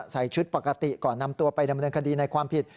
ใส่ชุดปกติก่อนนำตัวไปดำเนินคดีในความผิด